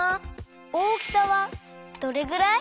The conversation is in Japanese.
大きさはどれぐらい？